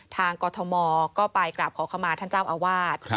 กรทมก็ไปกราบขอขมาท่านเจ้าอาวาส